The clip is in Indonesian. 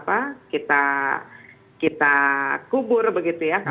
kalau kemudian masyarakat tidak bisa melakukan perannya untuk tetap dihidupkan